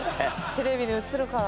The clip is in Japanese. テレビに映るから。